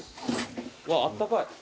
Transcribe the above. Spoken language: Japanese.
うわあったかい。